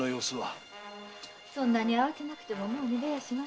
そんなに慌てなくてももう逃げやしませんよ。